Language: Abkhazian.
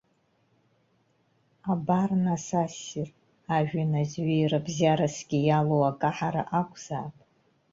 Абар, нас, ассир, ажәҩан азҩеира бзиарасгьы иалоу акаҳара акәзаап!